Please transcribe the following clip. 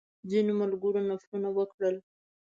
ځینو ملګرو نفلونه وکړل.